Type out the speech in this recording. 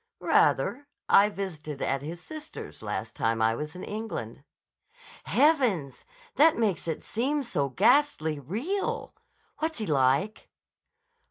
"Rather. I visited at his sister's last time I was in England." "Heavens! That makes it seem so ghastly real. What's he like?"